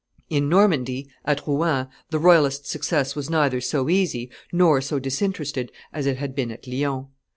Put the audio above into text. In Normandy, at Rouen, the royalist success was neither so easy nor so disinterested as it had been at Lyons.